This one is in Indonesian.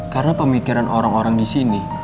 karena pemikiran orang orang disini